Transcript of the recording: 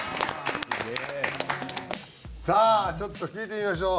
さあちょっと聞いてみましょう。